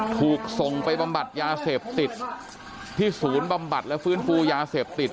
ถูกส่งไปบำบัดยาเสพติดที่ศูนย์บำบัดและฟื้นฟูยาเสพติด